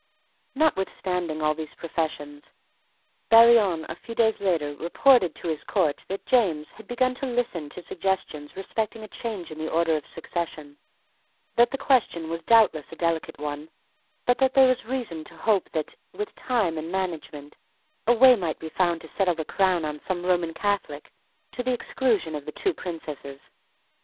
Notwithstanding all these professions, Barillon, a few days later, reported to his court that James had begun to listen to suggestions respecting a change in the order of succession, that the question was doubtless a delicate one, but that there was reason to hope that, with time and management, a way might be found to settle the crown on some Roman Catholic to the exclusion of the two Princesses.